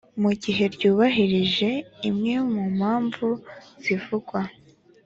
mu gihe rwubahirije imwe mu mpamvu zivugwa